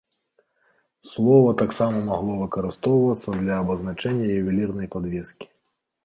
Слова таксама магло выкарыстоўвацца для абазначэння ювелірнай падвескі.